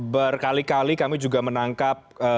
berkali kali kami juga menangkap